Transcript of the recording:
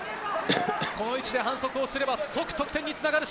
この位置で反則をすれば即得点につながる。